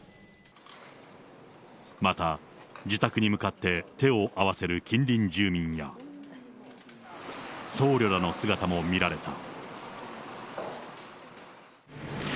また、自宅に向かって手を合わせる近隣住民や、僧侶らの姿も見られた。